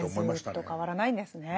はいずっと変わらないんですね。